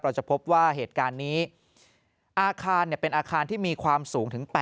จะพบว่าเหตุการณ์นี้อาคารเป็นอาคารที่มีความสูงถึง๘๐